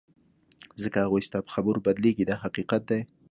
ځکه هغوی ستا په خبرو بدلیږي دا حقیقت دی.